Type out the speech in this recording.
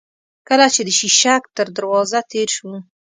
کله چې د شېشک تر دروازه تېر شوو.